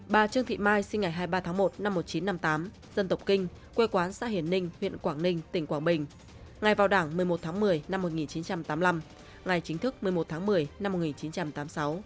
bà trương thị mai sinh ngày hai mươi ba tháng một năm một nghìn chín trăm năm mươi tám dân tộc kinh quê quán xã hiền ninh huyện quảng ninh tỉnh quảng bình ngày vào đảng một mươi một tháng một mươi năm một nghìn chín trăm tám mươi năm ngày chính thức một mươi một tháng một mươi năm một nghìn chín trăm tám mươi sáu